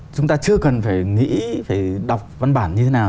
chúng ta chưa cần phải nghĩ phải đọc văn bản như thế nào